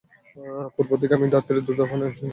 পূর্ব থেকেই আমি ধাত্রীর দুধপানে তাকে বিরত রেখেছিলাম।